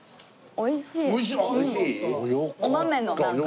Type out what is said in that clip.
おいしい。